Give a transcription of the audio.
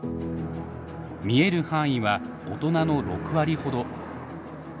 見える範囲は大人の６割ほど。